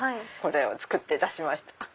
これを作って出しました。